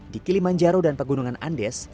di kilimanjaro dan pegunungan andes